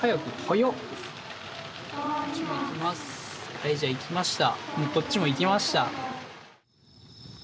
はいじゃあいきました。